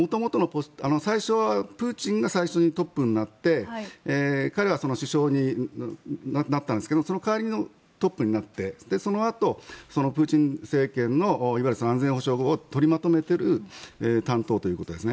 最初、プーチンがトップになって彼は首相になったんですけどその代わりのトップになってそのあと、プーチン政権のいわゆる安全保障を取りまとめている担当ということです。